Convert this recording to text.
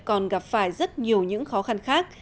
còn gặp phải rất nhiều những khó khăn khác